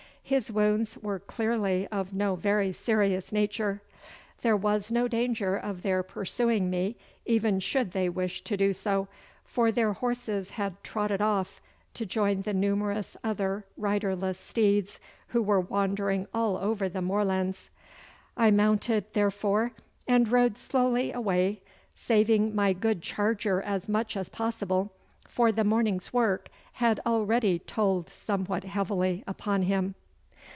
His wounds were clearly of no very serious nature. There was no danger of their pursuing me even should they wish to do so, for their horses had trotted off to join the numerous other riderless steeds who were wandering all over the moorlands. I mounted, therefore, and rode slowly away, saving my good charger as much as possible, for the morning's work had already told somewhat heavily upon him.